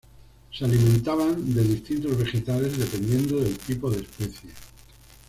Se alimentaban de distintos vegetales dependiendo del tipo de especie.